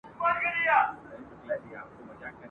بې هنرو دي د ښار کوڅې نیولي !.